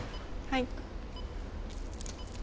はい。